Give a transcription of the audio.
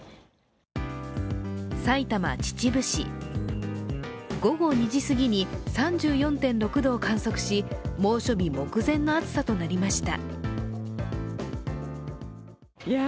埼玉・秩父市、午後２時すぎに３４．６度を観測し猛暑日目前の暑さとなりました。